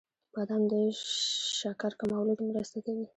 • بادام د شکر کمولو کې مرسته کوي.